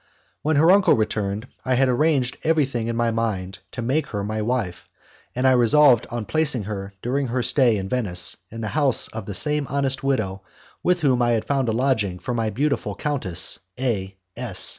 When her uncle returned, I had arranged everything in my mind to make her my wife, and I resolved on placing her, during her stay in Venice, in the house of the same honest widow with whom I had found a lodging for my beautiful Countess A S